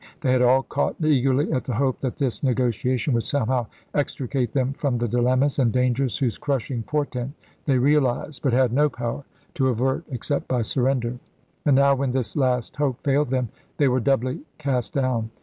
They had all caught eagerly at the hope that this negotiation would somehow extricate them from the dilemmas and dangers whose crushing portent they realized, but had no power to avert except by surrender; and now, when this last hope failed them, they were doubly cast down.